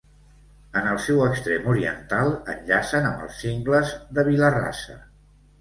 En el seu extrem oriental enllacen amb els Cingles de Vila-rasa.